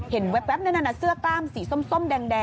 แว๊บนั่นเสื้อกล้ามสีส้มแดง